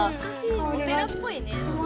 お寺っぽいね。